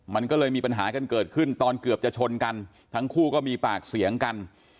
มันก็เลยมีปัญหากันเกิดขึ้นตอนเกือบจะชนกันทั้งคู่ก็มีปากเสียงกัน